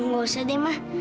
gak usah deh ma